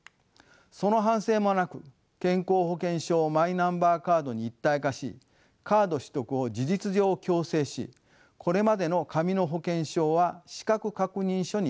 その反省もなく健康保険証をマイナンバーカードに一体化しカード取得を事実上強制しこれまでの紙の保険証は「資格確認書」に変えるというのです。